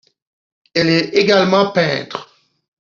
Elle est également peintre.